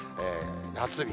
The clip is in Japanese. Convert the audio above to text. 夏日。